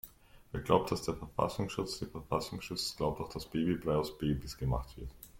Wer glaubt, dass der Verfassungsschutz die Verfassung schützt, glaubt auch dass Babybrei aus Babys gemacht wird.